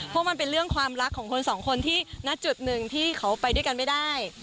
เพราะมันเป็นเรื่องความรักของคนสองคนที่ณจุดหนึ่งที่เขาไปด้วยกันไม่ได้